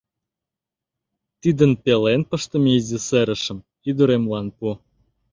Тидын пелен пыштыме изи серышым ӱдыремлан пу.